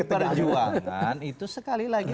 pdi perjuangan itu sekali lagi